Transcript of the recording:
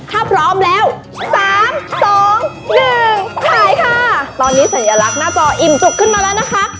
ถ้าพร้อมแล้วสามสองหนึ่งถ่ายค่ะตอนนี้สัญลักษณ์หน้าจออิ่มจุกขึ้นมาแล้วนะคะ